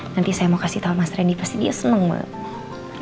nanti saya mau kasih tau mas randy pasti dia seneng mak